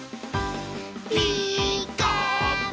「ピーカーブ！」